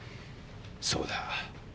そうだ。